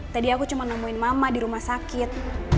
tadi aku cuma nemuin mama di rumah sakit